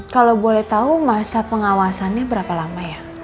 kalau boleh tahu masa pengawasannya berapa lama ya